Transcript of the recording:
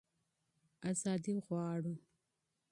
ازادي غواړو.